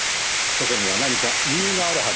そこには何か理由があるはずです。